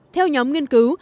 theo nhóm nghiên cứu